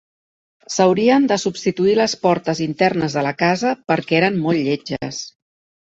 S'haurien de substituir les portes internes de la casa, perquè eren molt lletges.